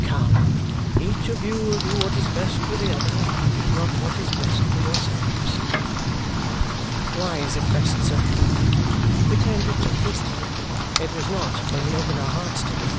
Come! Each of you will do what is best for the other, if not what is best for yourselves." "Why is it best, sir?" returned Richard hastily. "It was not when we opened our hearts to you.